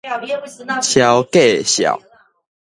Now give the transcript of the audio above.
撨價數